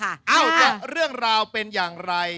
เอ้าจะเรื่องราวเป็นอย่างไร